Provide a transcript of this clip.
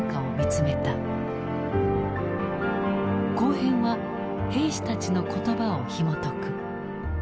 後編は兵士たちの言葉をひもとく。